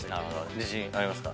自信ありますか？